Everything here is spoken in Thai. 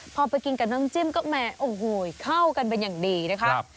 พอไปกินกับน้ำจิ้มก็แหมโอ้โหเข้ากันเป็นอย่างดีนะคะ